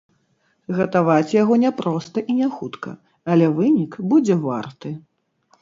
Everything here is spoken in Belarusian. Гатаваць яго не проста і не хутка, але вынік будзе варты.